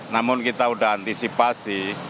namun kita sudah antisipasi